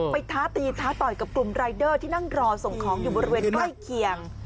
ท้าตีท้าต่อยกับกลุ่มรายเดอร์ที่นั่งรอส่งของอยู่บริเวณใกล้เคียง